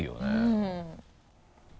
うん。